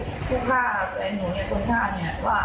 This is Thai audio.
คนฆ่าเนี้ยว่าผมเข้ามาสกที่แฟนพี่จำอาจารย์หน้าอาจารย์